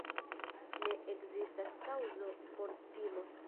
Ne ekzistas kaŭzo por timo.